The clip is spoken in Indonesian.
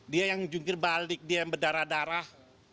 dia yang jungkir balik dia yang berdarah darah